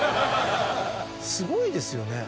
すごいですよね。